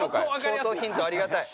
口頭ヒントありがたい。